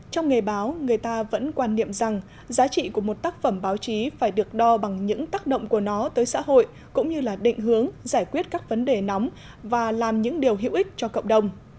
trong nghề báo người ta vẫn quan niệm rằng giá trị của một tác phẩm báo chí phải được đo bằng những tác động của nó tới xã hội cũng như là định hướng giải quyết các vấn đề nóng và làm những điều hữu ích cho cộng đồng